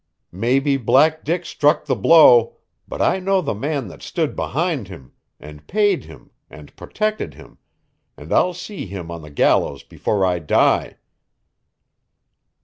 "Maybe Black Dick struck the blow, but I know the man that stood behind him, and paid him, and protected him, and I'll see him on the gallows before I die."